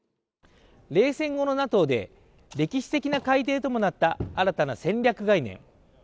冷戦後のＮＡＴＯで歴史的な改定ともなった新たな戦略概念